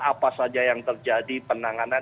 apa saja yang terjadi penanganan